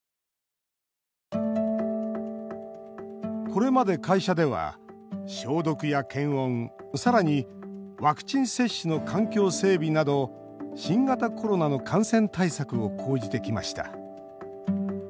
これまで会社では消毒や検温、さらにワクチン接種の環境整備など新型コロナの感染対策を講じてきました。